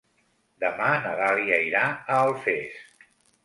Demà na Dàlia irà a Alfés.